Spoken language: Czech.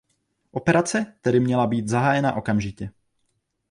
Operace tedy měla být zahájena okamžitě.